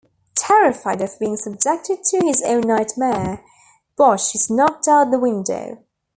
Terrified of being subjected to his own nightmare, Botch is knocked out the window.